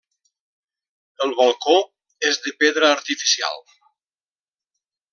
El balcó és de pedra artificial.